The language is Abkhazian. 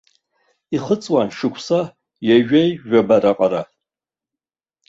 Ихыҵуан шықәса ҩажәижәаба раҟара.